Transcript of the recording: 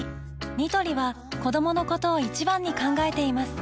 ニトリは子どものことを一番に考えています